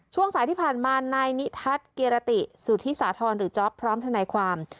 ช่วงสายที่ผ่านมานายนิทัศน์เกียรติสุธิสาธรณ์หรือจ๊อปพร้อมทนายความ